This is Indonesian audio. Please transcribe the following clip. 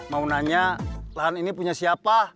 mau nanya lahan ini punya siapa